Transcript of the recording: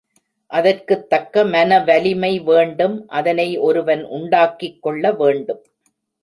அதற்குத் தக்க மனவலிமை வேண்டும் அதனை ஒருவன் உண்டாக்கிக் கொள்ள வேண்டும்.